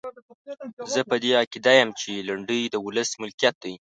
زه په دې عقیده یم چې لنډۍ د ولس ملکیت دی.